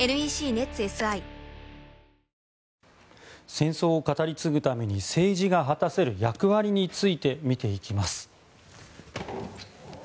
戦争を語り継ぐために政治が果たせる役割について見ていきます。